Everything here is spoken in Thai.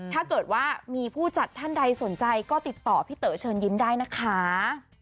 ถ้าเกิดว่ามีผู้จัดท่านใดสนใจก็ติดต่อพี่เต๋อเชิญยิ้มได้นะคะ